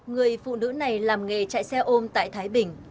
người phụ nữ này làm nghề chạy xe ôm tại thái bình